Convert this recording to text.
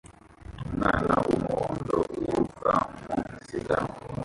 Umwana wumuhondo wiruka mu isiganwa